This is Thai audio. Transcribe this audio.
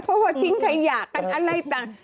พอทิ้งขัยหยาดกันอะไรต่าง